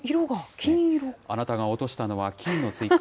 あなたが落としたのは金のすいか？